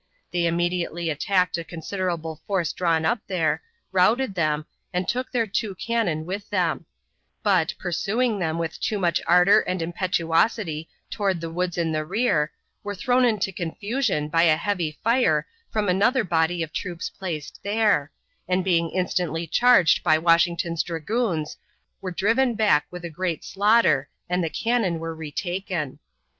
They immediately attacked a considerable force drawn up there, routed them, and took their two cannon with them; but, pursuing them with too much ardor and impetuosity toward the woods in the rear, were thrown into confusion by a heavy fire from another body of troops placed there, and being instantly charged by Washington's dragoons, were driven back with great slaughter and the cannon were retaken.